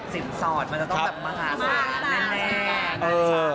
สินสอดมันจะต้องแบบมาหาสอดแน่